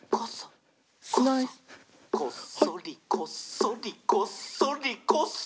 「こっそりこっそりこっそりこっそり」